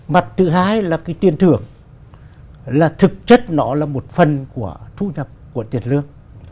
mặt thứ hai là cái tiền thưởng là thực chất nó là một phần của thu nhập của tiền lương